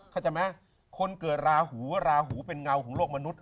เข้าใจไหมคนเกิดราหูราหูเป็นเงาของโลกมนุษย